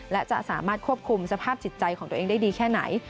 และจะสามารถควบคุมสภาพจิตใจของตัวเองได้ดีแค่ไหน